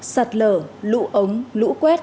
sạt lở lũ ống lũ quét